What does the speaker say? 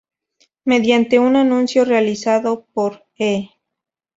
Mediante un anuncio realizado por E!